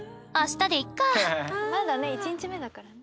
まだね１日目だから。